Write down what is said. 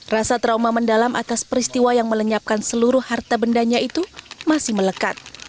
rasa trauma mendalam atas peristiwa yang melenyapkan seluruh harta bendanya itu masih melekat